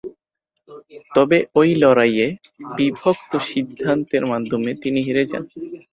তবে ওই লড়াইয়ে বিভক্ত সিদ্ধান্তের মাধ্যমে তিনি হেরে যান।